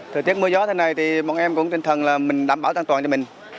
thời tiết mưa gió thế này thì bọn em cũng tinh thần là mình đảm bảo an toàn cho mình